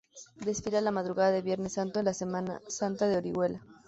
Desfila la madrugada de Viernes Santo en la Semana Santa de Orihuela.